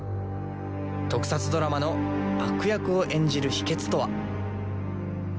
特撮ドラマの悪役を演じる秘けつとは。